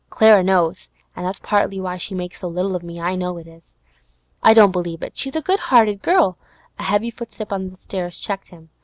Clara knows, an' that's partly why she makes so little of me; I know it is.' 'I don't believe it! She's a good hearted girl—' A heavy footstep on the stairs checked him.